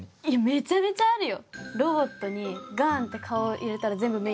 めちゃめちゃあるよ！